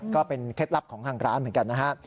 เคล็ดลับของทางร้านเหมือนกันนะฮะ